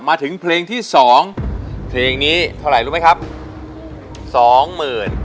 มาถึงเพลงที่สองเพลงนี้เท่าไหร่รู้ไหมครับสองหมื่น